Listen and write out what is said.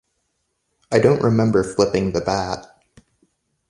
I don't remember flipping the bat.